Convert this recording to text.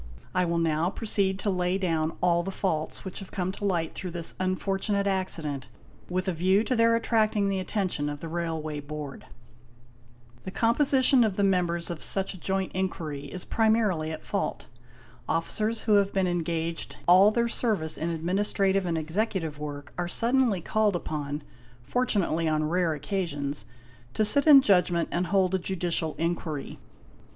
I will now proceed to lay down all the faults, which have come to light through this unfortunate accident, with a view to their attracting the attention of the Railway Board. ''The composition of the members of such a joint inquiry is primarily at fault. Officers, who have been engaged all their service in administrative and executive work, are suddenly called upon, fortunately on rare occasions, to sit in judgment and hold a judicial inquiry.